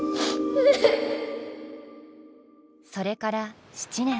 それから７年。